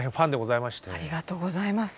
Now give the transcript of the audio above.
ありがとうございます。